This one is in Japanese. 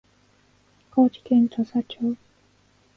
高知県土佐町